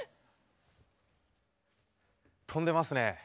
飛んでますね。